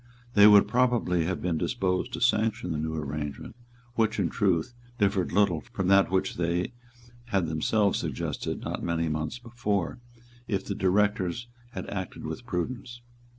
They would probably have been disposed to sanction the new arrangement, which, in truth, differed little from that which they had themselves suggested not many months before, if the Directors had acted with prudence.